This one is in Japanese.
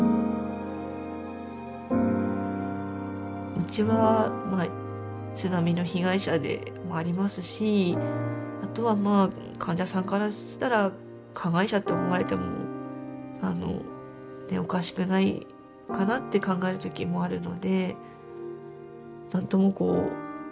うちはまあ津波の被害者でもありますしあとはまあ患者さんからしたら加害者って思われてもおかしくないかなって考える時もあるので何ともこう割り切れない。